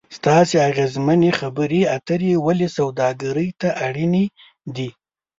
ستاسې اغیزمنې خبرې اترې ولې سوداګري ته اړینې دي ؟